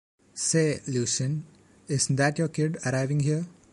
Say, Lucien, isn’t that your kid arriving here?